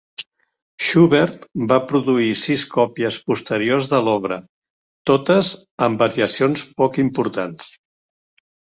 Schubert va produir sis còpies posteriors de l'obra, totes amb variacions poc importants.